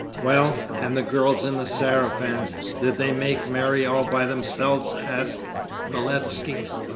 'Well, and the girls in the sarafans, did they make merry all by themselves?' asked Beletski.